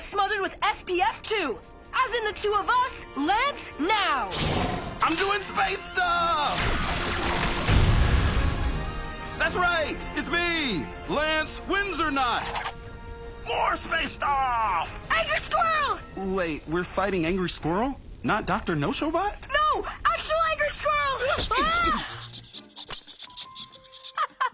アッハハ！